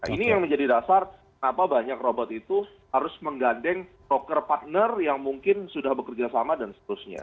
ini yang menjadi dasar kenapa banyak robot itu harus menggandeng broker partner yang mungkin sudah bekerja sama dan seterusnya